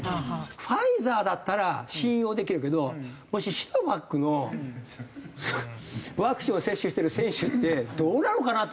ファイザーだったら信用できるけどもしシノバックのワクチンを接種してる選手ってどうなのかなと。